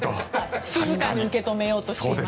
静かに受け止めようとしています。